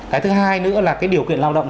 cái thứ hai nữa là cái điều kiện lao động